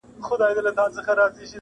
چي هر څه تلاښ کوې نه به ټولېږي,